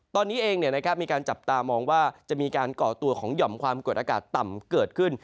ตอนนี้เองมีการจับตามองว่าจะมีการก่อตัวของหย่อมความกดอากาศต่ำเกิดขึ้น